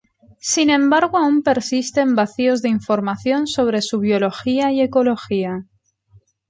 Sin embargo aún persisten vacíos de información sobre su biología y ecología.